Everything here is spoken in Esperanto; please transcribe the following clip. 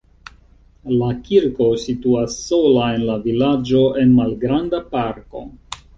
La kirko situas sola en la vilaĝo en malgranda parko.